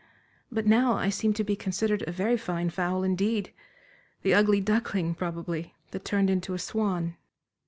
But now I seem to be considered a very fine fowl indeed the ugly duckling, probably, that turned into a swan."